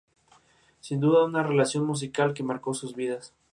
Es muy fácil confundir la arquitectura y el diseño.